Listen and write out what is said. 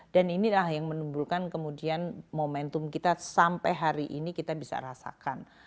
dan inilah yang menimbulkan kemudian momentum kita sampai hari ini kita bisa rasakan